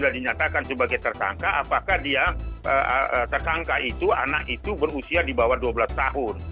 dinyatakan sebagai tersangka apakah dia tersangka itu anak itu berusia di bawah dua belas tahun